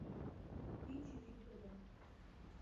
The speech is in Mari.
Пич йӱд ыле.